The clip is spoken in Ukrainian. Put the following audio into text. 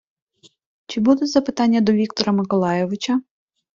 Чи будуть запитання до Віктора Миколайовича?